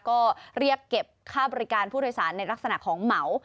ก็เรียกเก็บค่าบริการผู้โดยสารในลักษณะของเหมา